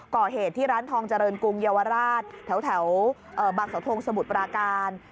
ก่อเหตุที่ร้านทองเจริญกรุงเยาวราชแถวบางสาวทงสมุทรปราการ